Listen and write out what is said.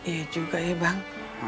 iya juga ya bang